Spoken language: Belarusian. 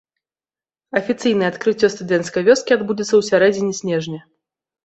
Афіцыйнае адкрыццё студэнцкай вёскі адбудзецца ў сярэдзіне снежня.